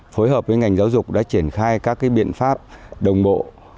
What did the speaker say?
phối hợp với ngành giáo dục đã triển khai các biện pháp đồng bộ